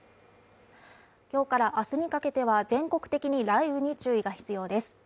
今日から明日にかけては全国的に雷雨に注意が必要です。